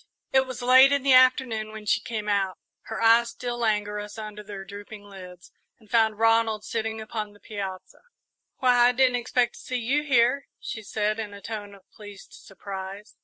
It was late in the afternoon when she came out, her eyes still languorous under their drooping lids, and found Ronald sitting alone upon the piazza. "Why, I didn't expect to see you here," she said, in a tone of pleased surprise.